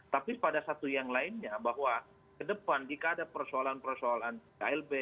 tapi pada satu yang lainnya bahwa ke depan jika ada persoalan persoalan klb